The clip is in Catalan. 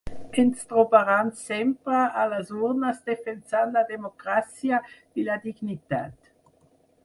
Ens trobaran sempre a les urnes defensant la democràcia i la dignitat.